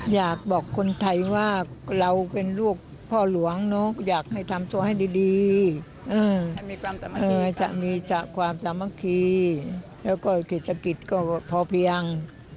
อยากบอกคนไทยว่าเราเป็นลูกพ่อหลวงเนอะอยากให้ทำตัวให้ดีจะมีจากความสามัคคีแล้วก็เศรษฐกิจก็พอเพียง